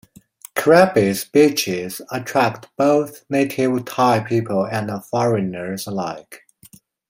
Krabi's beaches attract both native Thai people and foreigners alike.